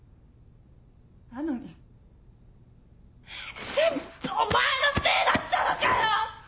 なのに全部お前のせいだったのかよ‼